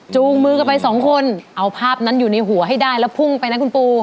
มือกันไปสองคนเอาภาพนั้นอยู่ในหัวให้ได้แล้วพุ่งไปนะคุณปู